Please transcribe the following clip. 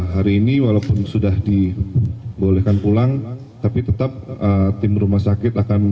hari ini walaupun sudah dibolehkan pulang tapi tetap tim rumah sakit akan